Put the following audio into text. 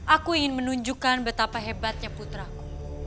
aku ingin menunjukkan betapa hebatnya putraku